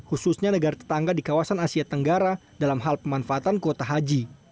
khususnya negara tetangga di kawasan asia tenggara dalam hal pemanfaatan kuota haji